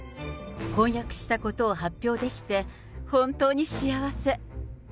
婚約したことを発表できて、本当に幸せ。